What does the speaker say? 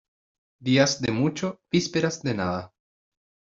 Días de mucho, vísperas de nada.